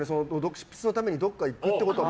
執筆のためにどこか行くということが。